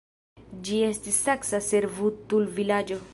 Ĝi estis saksa servutulvilaĝo.